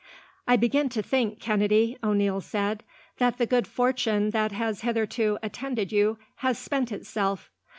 "I begin to think, Kennedy," O'Neil said, "that the good fortune that has hitherto attended you has spent itself.